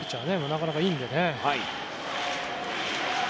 なかなかいいのでね。